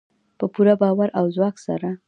په پوره باور او ځواک سره.